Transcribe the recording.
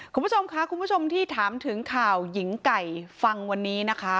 คุณผู้ชมค่ะคุณผู้ชมที่ถามถึงข่าวหญิงไก่ฟังวันนี้นะคะ